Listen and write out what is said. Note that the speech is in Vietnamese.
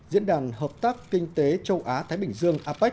diễn đàn hợp tác kinh tế châu á thái bình dương apec